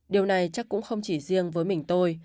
điều này chắc cũng không chỉ riêng với mình tôi